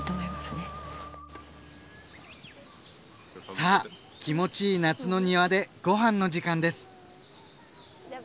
さぁ気持ちいい夏の庭でご飯の時間です！